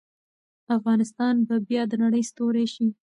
افغانستان به بیا د نړۍ ستوری شي.